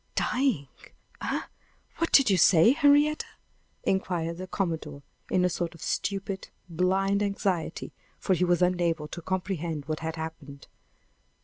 "Dying? Eh! what did you say, Henrietta?" inquired the commodore, in a sort of stupid, blind anxiety; for he was unable to comprehend what had happened.